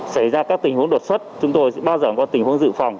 xảy ra các tình huống đột xuất chúng tôi sẽ bao giờ có tình huống dự phòng